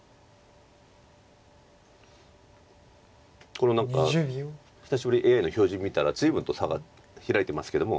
この何か久しぶりにＡＩの表示見たら随分と差が開いてますけども。